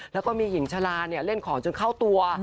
แล้วก็มีหญิงชะลาเล่นของจนเข้าตัว